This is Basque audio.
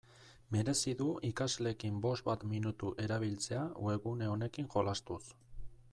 Merezi du ikasleekin bost bat minutu erabiltzea webgune honekin jolastuz.